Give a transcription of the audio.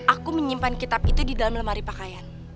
aku menyimpan kitab itu di dalam lemari pakaian